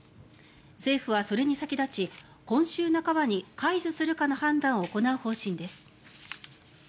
政府はそれに先立ち今週半ばに解除するかの判断を行う方針です。